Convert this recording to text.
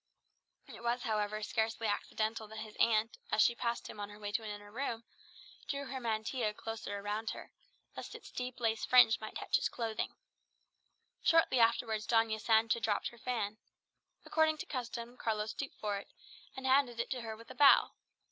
It was, however, scarcely accidental that his aunt, as she passed him on her way to an inner room, drew her mantilla closer round her, lest its deep lace fringe might touch his clothing. Shortly afterwards Doña Sancha dropped her fan. According to custom, Carlos stooped for it, and handed it to her with a bow.